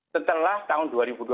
setelah tahun dua ribu dua puluh